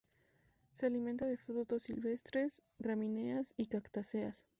Se alimenta de frutos silvestres, gramíneas y cactáceas.